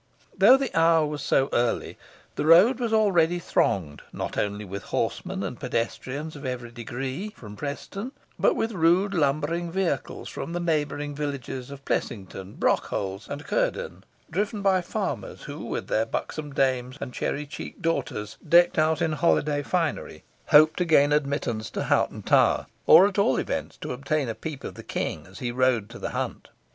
Though the hour was so early, the road was already thronged, not only with horsemen and pedestrians of every degree from Preston, but with rude lumbering vehicles from the neighbouring villages of Plessington, Brockholes and Cuerden, driven by farmers, who, with their buxom dames and cherry cheeked daughters, decked out in holiday finery, hoped to gain admittance to Hoghton Tower, or, at all events, obtain a peep of the King as he rode out to hunt.